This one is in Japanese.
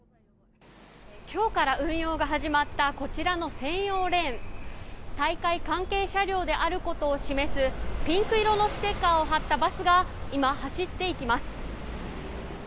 今日から運用が始まったこちらの専用レーン大会関係車両であることを示すピンク色のステッカーを貼ったバスが走っていきます。